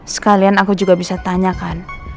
sekalian aku juga bisa tanyakan